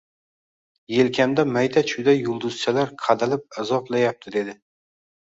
Yelkamda mayda-chuyda yulduzchalar qadalib azoblayapti dedi.